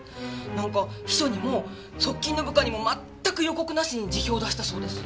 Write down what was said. なんか秘書にも側近の部下にもまったく予告なしに辞表を出したそうです。